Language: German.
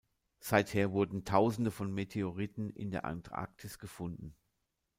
Seither wurden Tausende von Meteoriten in der Antarktis gefunden.